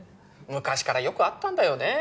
昔からよくあったんだよね